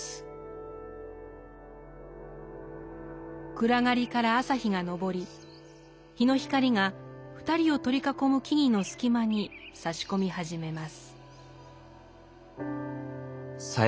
暗がりから朝日が昇り日の光が２人を取り囲む木々の隙間にさし込み始めます。